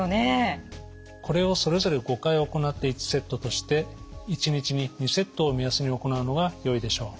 これをそれぞれ５回行って１セットとして１日に２セットを目安に行うのがよいでしょう。